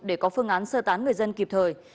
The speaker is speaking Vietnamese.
để có phương án sơ tán người dân kịp thời